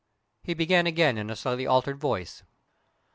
He began again in a slightly altered voice.